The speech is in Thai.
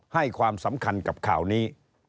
ให้ความสำคัญกับข่าวนี้